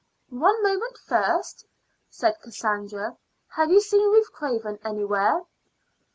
"One moment first," said Cassandra. "Have you seen Ruth Craven anywhere?"